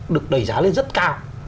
được đẩy giá lên rất cao